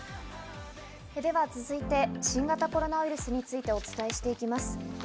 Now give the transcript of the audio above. では続いて新型コロナウイルスについてお伝えしていきます。